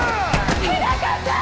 日高さん！